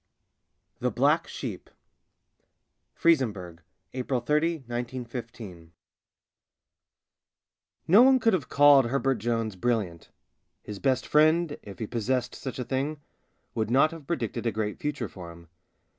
THE BLACK SHEEP FRIZENBURG, APRIL 30, I915 No one could have called Herbert Jones brilliant : his best friend — if he possessed such a thing — would not have predicted a great future for him.